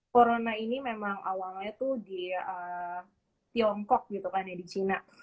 corona ini memang awalnya tuh di tiongkok gitu kan ya di china